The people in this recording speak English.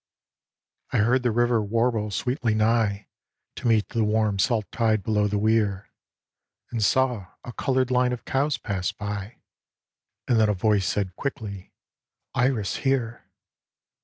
I heard the river warble sweetly nigh To meet the warm salt tide below the weir, And saw a coloured line of cows pass by, — And then a voice said quickly, " Iris here